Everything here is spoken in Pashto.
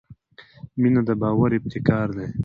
• مینه د باور ابتکار دی.